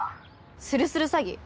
するする詐欺？